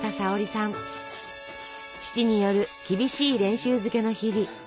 父による厳しい練習漬けの日々。